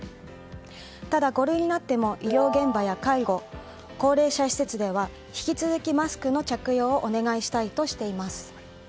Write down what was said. ただ、五類になっても医療現場や介護・高齢者施設では引き続きマスクの着用をお願いしたいとしています。